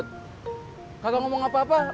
jadi kriteria backbone